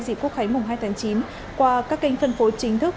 dịp quốc khánh mùng hai tháng chín qua các kênh phân phối chính thức